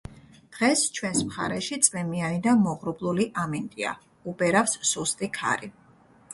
დღეს ჩვენს მხარეში წვიმიანი და მოღრუბლული ამინდია, უბერავს სუსტი ქარი.